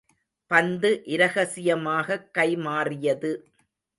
பந்து இரகசியமாகக் கைமாறியது.